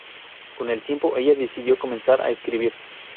Con el tiempo ella decidió comenzar a escribir.